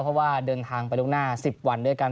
เพราะว่าเดินทางไปล่วงหน้า๑๐วันด้วยกัน